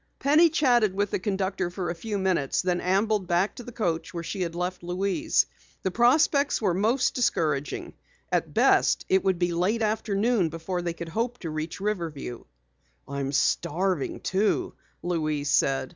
Penny chatted with the conductor for a few minutes, then ambled back to the coach where she had left Louise. The prospects were most discouraging. At best it would be late afternoon before they could hope to reach Riverview. "I'm starving too," Louise said.